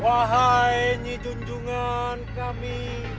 wahai nyi junjungan kami